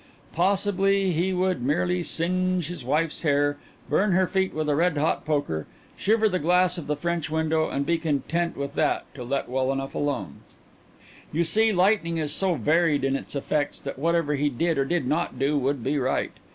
Possibly he would merely singe his wife's hair, burn her feet with a red hot poker, shiver the glass of the French window, and be content with that to let well alone. You see, lightning is so varied in its effects that whatever he did or did not do would be right.